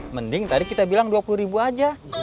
mending tadi kita bilang dua puluh ribu aja